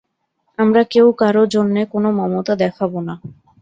আমরা কেউ কারো জন্যে কোনো মমতা দেখাব না।